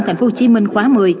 thành phố hồ chí minh khóa một mươi